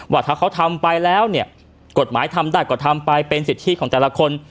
ว่าถ้าเขาทำไปแล้วเนี่ยกฎหมายทำได้ก็ทำไปเป็นสิทธิของแต่ละคน